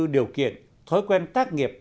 điều kiện thói quen tác nghiệp